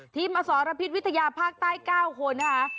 อสรพิษวิทยาภาคใต้๙คนนะคะ